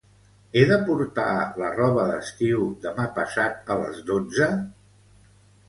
He de portar la roba d'estiu demà passat a les dotze?